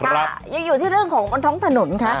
ยังอยู่ที่เรื่องของบนท้องถนนค่ะ